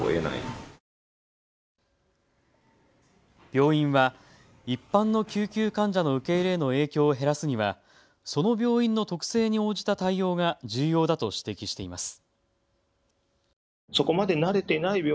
病院は一般の救急患者の受け入れへの影響を減らすにはその病院の特性に応じた対応が重要だと指摘しています。